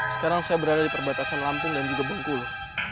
sekarang saya berada di perbatasan lampung dan juga bengkulu